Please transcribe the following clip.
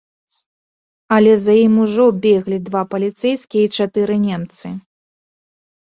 Але за ім ужо беглі два паліцэйскія і чатыры немцы.